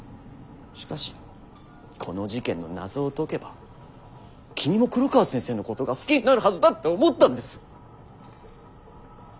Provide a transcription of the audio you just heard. しかしこの事件の謎を解けば君も黒川先生のことが好きになるはずだって思ったんです。